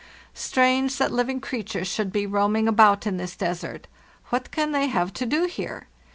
Strange that living creatures should be roaming about in this desert. What can they have to do here?